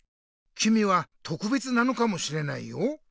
きみは「とくべつ」なのかもしれないよ。